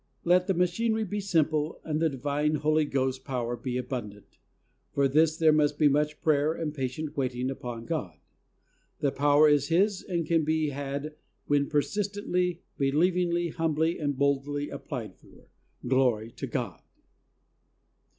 Let the machinery be simple and the divine, Holy Ghost power be abundant. For this there must be much prayer and patient waiting upon God. The power is His and can be had when persistently, believingly, humbly and boldly applied for. Glory to God!